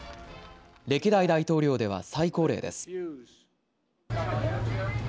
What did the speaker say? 歴代大統領では最高齢です。